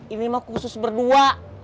ini mah khusus berdua